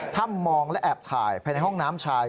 ถ้ำมองและแอบถ่ายภายในห้องน้ำชาย